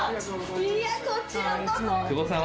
いやこちらこそ。